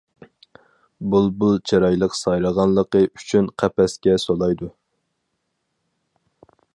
بۇلبۇل چىرايلىق سايرىغانلىقى ئۈچۈن قەپەسكە سولايدۇ.